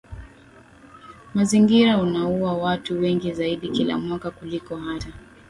mazingira unaua watu wengi zaidi kila mwaka kuliko hata